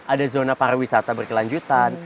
ada zona para wisata berkelanjutan